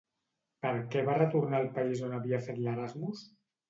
Per què va retornar al país on havia fet l'Erasmus?